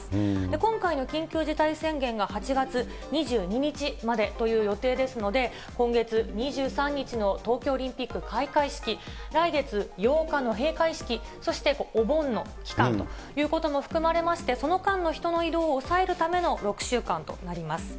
今回の緊急事態宣言が８月２２日までという予定ですので、今月２３日の東京オリンピック開会式、来月８日の閉会式、そしてお盆の期間ということも含まれまして、その間の人の移動を抑えるための６週間となります。